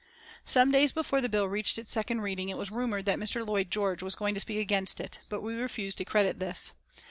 Some days before the bill reached its second reading it was rumoured that Mr. Lloyd George was going to speak against it, but we refused to credit this.